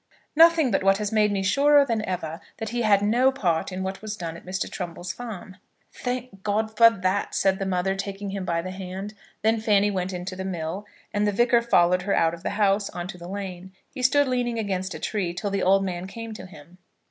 "Nothing but what has made me surer than ever that he had no part in what was done at Mr. Trumbull's farm." "Thank God for that!" said the mother, taking him by the hand. Then Fanny went into the mill, and the Vicar followed her out of the house, on to the lane. He stood leaning against a tree till the old man came to him.